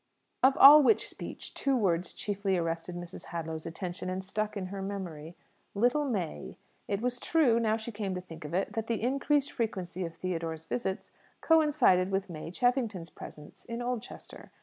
Of all which speech, two words chiefly arrested Mrs. Hadlow's attention and stuck in her memory "little May." It was true, now she came to think of it, that the increased frequency of Theodore's visits coincided with May Cheffington's presence in Oldchester.